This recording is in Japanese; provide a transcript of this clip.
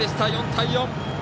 ４対４。